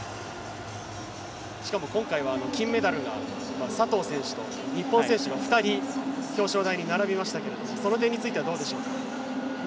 しかも今回は金メダルが佐藤選手と日本選手が２人、表彰台に並びましたけどその点についてはどうでしょうか。